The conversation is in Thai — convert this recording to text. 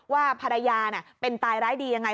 ว่าภรรยาเป็นตายร้ายดียังไง